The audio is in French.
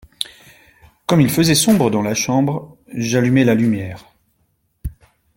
Comme il faisait sombre dans la chambre, j’allumai la lumière.